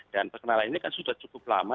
dan perkenalan ini kan sudah cukup lama